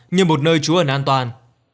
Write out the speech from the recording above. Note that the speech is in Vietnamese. như một nơi trú ẩn an toàn